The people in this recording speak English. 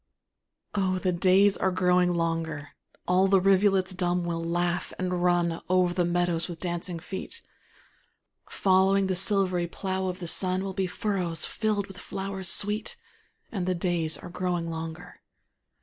Oh, the days are growing longer, All the rivulets dumb will laugh, and run Over the meadows with dancing feet; Following the silvery plough of the sun, Will be furrows filled with wild flowers sweet: And the days are growing longer.